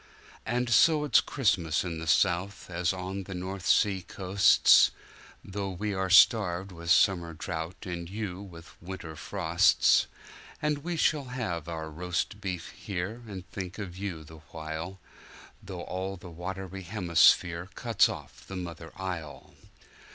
And so it's Christmas in the South as on the North sea coasts, Though we are staved with summer drouth and you with winter frosts. And we shall have our roast beef here, and think of you the while, Though all the watery hemisphere cuts off the mother isle.